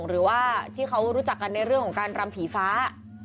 หรือว่าที่เขารู้จักกันในเรื่องของการรำผีฟ้า